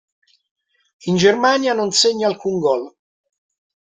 In Germania non segna alcun gol.